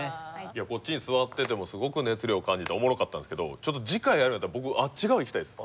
こっちに座っててもすごく熱量を感じておもろかったんですけどちょっと次回やるんやったら僕あっち側いきたいです。